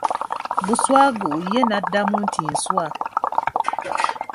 Buswagu, ye n'addamu nti nswa.